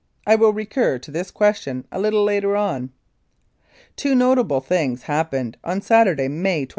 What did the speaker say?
I will recur to this question a little later on. Two notable things happened on Saturday, May 24.